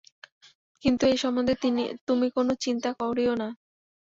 কিন্তু এ সম্বন্ধে তুমি কোনো চিন্তা করিয়ো না।